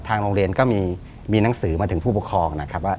โรงเรียนก็มีหนังสือมาถึงผู้ปกครองนะครับว่า